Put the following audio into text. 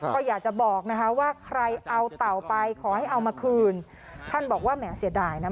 ก็อยากจะบอกนะคะว่าใครเอาเต่าไปขอให้เอามาคืนท่านบอกว่าแหมเสียดายนะ